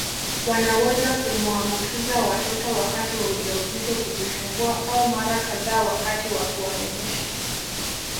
Wanaweza kumwaambukiza watoto wakati wa ujauzito kujifungua au mara kadhaa wakati wa kuwanyonyesha